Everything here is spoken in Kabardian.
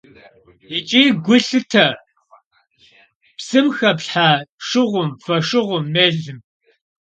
Yicı gu lhıte psım xeplhha şşığum, foşşığum, mêlım.